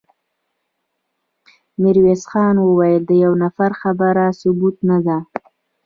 ميرويس خان وويل: د يوه نفر خبره ثبوت نه ده.